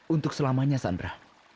untuk selamanya sandra